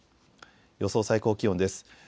予想最高気温です。